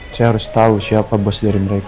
saya harus tahu siapa bus dari mereka